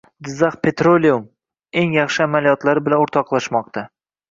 Jizzakh Petroleum eng yaxshi amaliyotlari bilan o‘rtoqlashmoqda